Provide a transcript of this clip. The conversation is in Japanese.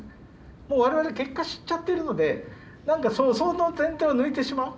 もう我々結果知っちゃってるのでその点を抜いてしまう。